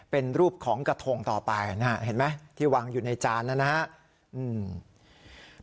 เป็นรูปของกระทงต่อไปนะฮะเห็นไหมที่วางอยู่ในจานนะครับ